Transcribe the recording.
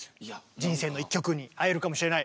人生の一曲に会えるかもしれない。